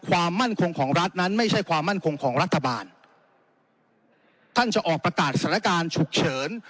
ความมั่นคงของรัฐนั้นไม่ใช่ความมั่นคงของรัฐบาลท่านจะออกประกาศสถานการณ์ฉุกเฉิน